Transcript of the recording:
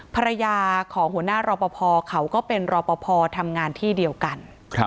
ภรรยาของหัวหน้ารอปภเขาก็เป็นรอปภทำงานที่เดียวกัน